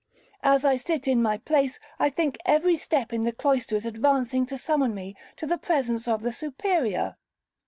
As I sit in my place, I think every step in the cloister is advancing to summon me to the presence of the Superior.